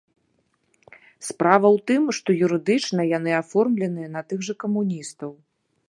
Справа ў тым, што юрыдычна яны аформленыя на тых жа камуністаў.